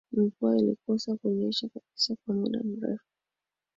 Mvua ilikosa kunyesha kabisa kwa muda mrefu